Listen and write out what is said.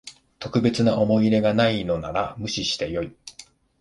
特別な思い入れがないのなら無視してよい